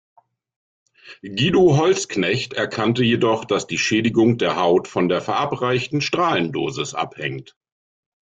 Guido Holzknecht erkannte jedoch, dass die Schädigung der Haut von der verabreichten Strahlendosis abhängt.